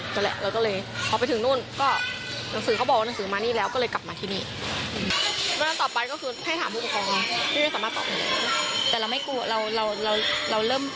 แล้วแหละเราก็เลยพอไปถึงนู่นก็หนังสือเขาบอกว่าหนังสือมานี่แล้ว